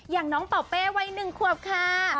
อย่างน้องปะอ๊วกเป๊วัยหนึ่งครอบคลา